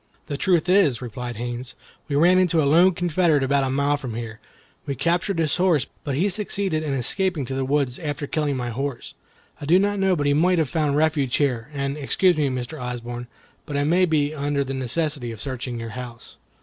"The truth is," replied Haines, "we ran into a lone Confederate about a mile from here. We captured his horse, but he succeeded in escaping to the woods, after killing my horse. I did not know but he might have found refuge here; and, excuse me, Mr. Osborne, but I may be under the necessity of searching your house."